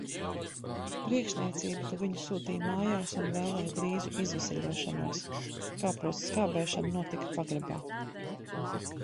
Priekšniecība tad viņu sūtīja mājās un vēlēja drīzu izveseļošanos. Kāpostu skābēšana notika pagrabā.